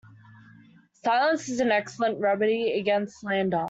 Silence is an excellent remedy against slander.